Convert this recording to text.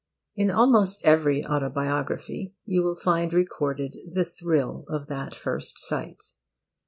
In almost every autobiography you will find recorded the thrill of that first sight.